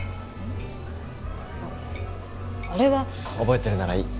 覚えてるならいい。